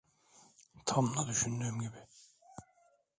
Tam da düşündüğüm gibi.